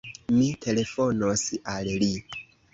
Mi telefonos al li.